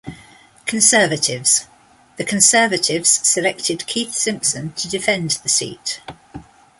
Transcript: Conservatives: The Conservatives selected Keith Simpson to defend the seat.